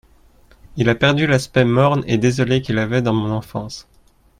Il a perdu l'aspect morne et désolé qu'il avait dans mon enfance.